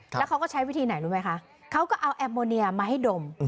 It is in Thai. แล้วเขาก็ใช้วิธีไหนรู้ไหมคะเขาก็เอาแอมโมเนียมาให้ดม